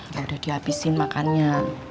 ya udah dihabisin makannya